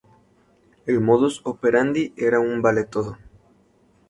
El modus operandi era un vale todo.